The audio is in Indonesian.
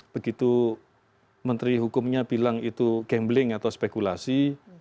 begitu menteri hukumnya bilang itu gambling atau spekulasi